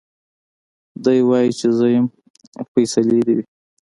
دی وايي چي زه يم فيصلې دي وي